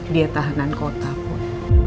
dia tahanan kota pun